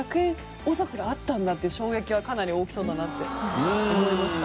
お札があったんだっていう衝撃はかなり大きそうだなって思いました。